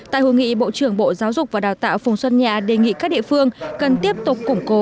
tại hội nghị bộ trưởng bộ giáo dục và đào tạo phùng xuân nhạ đề nghị các địa phương cần tiếp tục củng cố